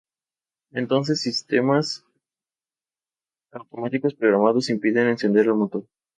Entonces, sistemas automáticos programados impidieron encender el motor.